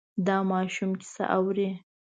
دا ماشوم کیسه اوري.